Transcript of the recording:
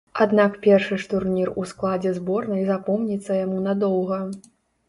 Аднак першы ж турнір у складзе зборнай запомніцца яму надоўга.